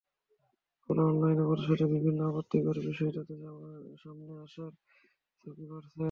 ফলে অনলাইনে প্রদর্শিত বিভিন্ন আপত্তিকর বিষয় তাদের সামনে আসার ঝুঁকি বাড়ছে।